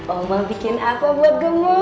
oma bikin apa buat gemul